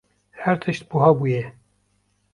Her tişt buha bûye.